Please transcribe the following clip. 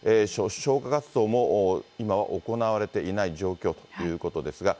消火活動も今は行われていない状況ということですが。